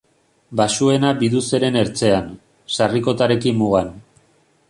Baxuena Biduzeren ertzean, Sarrikotarekin mugan.